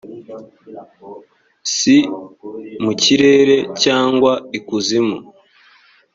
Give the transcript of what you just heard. si mu kirere cyangwa ikuzimu